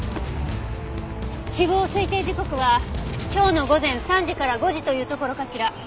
死亡推定時刻は今日の午前３時から５時というところかしら。